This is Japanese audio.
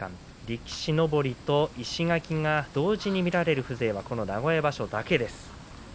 力士のぼりと石垣が、同時に見られる風情はこの名古屋場所だけです。